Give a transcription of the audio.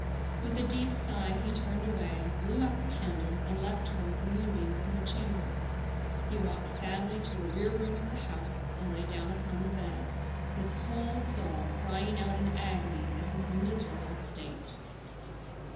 With a deep sigh he turned away, blew out the candle, and left her with the moonbeams in her chamber. He walked sadly to a rear room of the house and lay down upon the bed, his whole soul crying out in agony at his miserable state.